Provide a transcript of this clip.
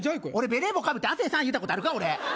ベレー帽かぶって亜生さんって言ったことあるか。